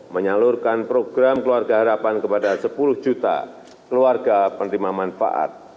menyalurkan program keluarga harapan kepada sepuluh juta keluarga penerima manfaat